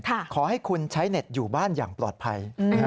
ขอให้คุณใช้เน็ตอยู่บ้านอย่างปลอดภัย